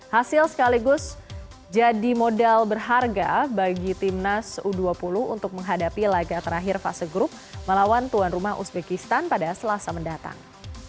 hasil sekaligus jadi modal berharga bagi timnas u dua puluh untuk menghadapi laga terakhir fase grup melawan tuan rumah uzbekistan pada selasa mendatang